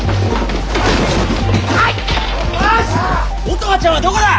乙葉ちゃんはどこだ！